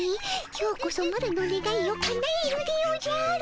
今日こそマロのねがいをかなえるでおじゃる。